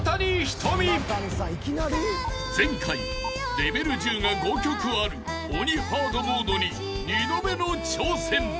［前回レベル１０が５曲ある鬼ハードモードに二度目の挑戦］